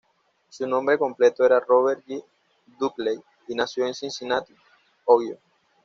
Su nombre completo era Robert Y. Dudley, y nació en Cincinnati, Ohio.